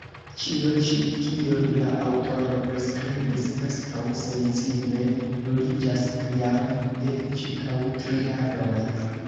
Ĉio ĉi, kion la aŭtoro priskribis, preskaŭ sencime ruliĝas jam de ĉirkaŭ tri jaroj.